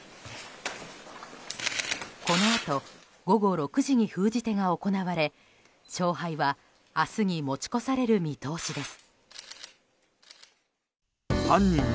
このあと午後６時に封じ手が行われ勝敗は明日に持ち越される見通しです。